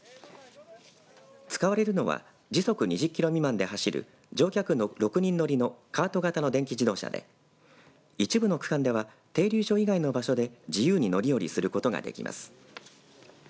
使われるのは時速２０キロ未満で走る乗客６人乗りのカート型の電気自動車で一部の区間では停留所以外の場所で自由に乗り降りすることができます。